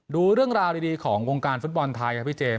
ดูเรื่องราวดีของวงการฟุตบอลไทยครับพี่เจม